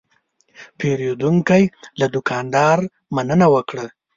پیرودونکی له دوکاندار مننه وکړه.